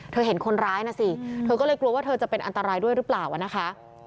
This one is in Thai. เห็นคนร้ายนะสิเธอก็เลยกลัวว่าเธอจะเป็นอันตรายด้วยหรือเปล่านะคะ